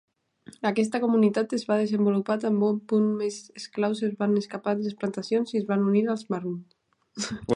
Aquesta comunitat es va desenvolupar tan bon punt més esclaus es van escapar de les plantacions i es van unir als Maroons.